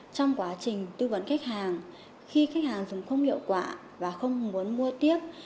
trong quá trình tư vấn khách hàng khi khách hàng dùng không hiệu quả và không muốn mua tiếp